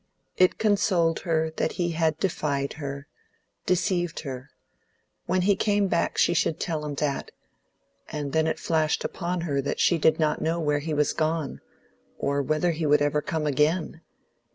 It consoled her that he had defied her, deceived her; when he came back she should tell him that; and then it flashed upon her that she did not know where he was gone, or whether he would ever come again.